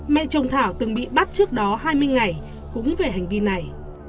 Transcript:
mẹ chồng thảo từng bị bắt trước đó hai mươi ngày cũng về hành vi này